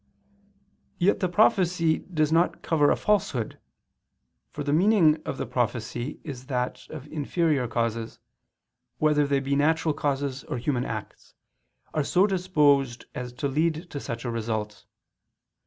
Yet the prophecy does not cover a falsehood, for the meaning of the prophecy is that inferior causes, whether they be natural causes or human acts, are so disposed as to lead to such a result.